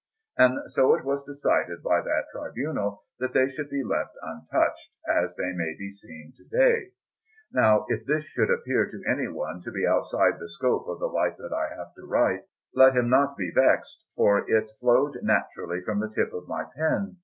And so it was decided by that tribunal that they should be left untouched, as they may be seen to day. Now, if this should appear to anyone to be outside the scope of the Life that I have to write, let him not be vexed, for it all flowed naturally from the tip of my pen.